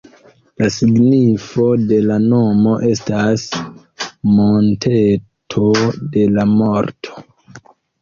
La signifo de la nomo estas ""monteto de la morto"".